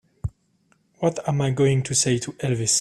What am I going to say to Elvis?